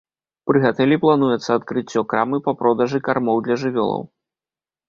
Пры гатэлі плануецца адкрыццё крамы па продажы кармоў для жывёлаў.